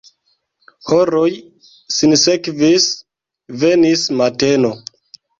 Horoj sinsekvis, venis mateno.